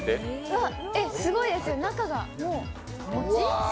わっ、すごいですよ、中が、もう。